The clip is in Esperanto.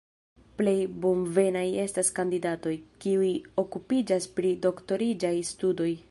Plej bonvenaj estas kandidatoj, kiuj okupiĝas pri doktoriĝaj studoj.